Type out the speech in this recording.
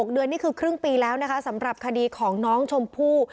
เดือนนี่คือครึ่งปีแล้วนะคะสำหรับคดีของน้องชมพู่